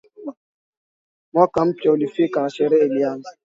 Mwaka mpya ulifika na sherehe ilianza